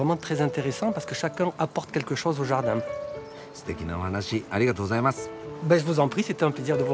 ステキなお話ありがとうございます。